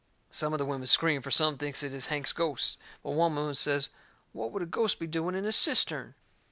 Some of the women scream, for some thinks it is Hank's ghost. But one woman says what would a ghost be doing in a cistern?